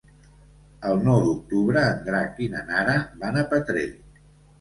El nou d'octubre en Drac i na Nara van a Petrer.